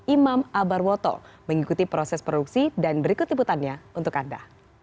imam abarwoto mengikuti proses produksi dan berikut liputannya untuk anda